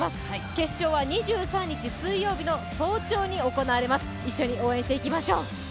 決勝は２３日水曜日の早朝に行われます、一緒に応援していきましょう。